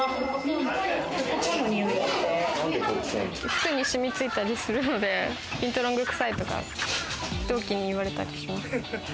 服に染み付いたりするので、ビントロング臭いとか同期に言われたりします。